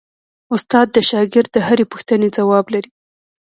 استاد د شاګرد د هرې پوښتنې ځواب لري.